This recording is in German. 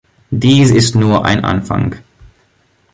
Dies ist nur ein Anfang.